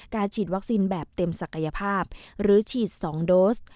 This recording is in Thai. ฉีดวัคซีนแบบเต็มศักยภาพหรือฉีด๒โดส